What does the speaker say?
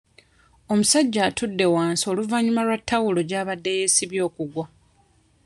Omusajja atudde wansi oluvannyuma lwa tawulo gy'abadde yeesibye okugwa.